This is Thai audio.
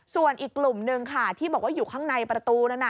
ส่วนอีกกลุ่มนึงค่ะที่บอกว่าอยู่ข้างในประตูนั้น